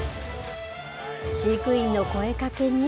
飼育員の声かけに。